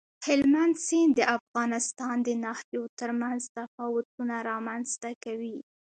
هلمند سیند د افغانستان د ناحیو ترمنځ تفاوتونه رامنځ ته کوي.